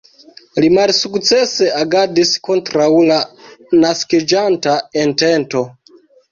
Li malsukcese agadis kontraŭ la naskiĝanta entento.